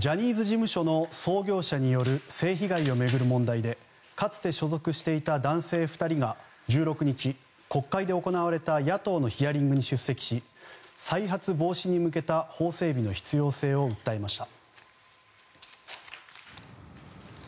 ジャニーズ事務所の創業者による性被害を巡る問題でかつて所属していた男性２人が１６日、国会で行われた野党のヒアリングに出席し再発防止に向けた法整備の必要性を訴えました。